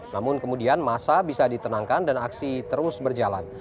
namun kemudian masa bisa ditenangkan dan aksi terus berjalan